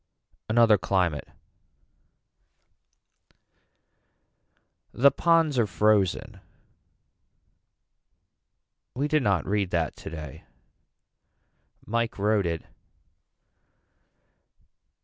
Another climate. The ponds are frozen. We did not read that today. Mike wrote it.